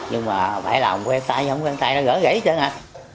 nhưng mà phải làm quen tay không quen tay nó gỡ gãy hết trơn à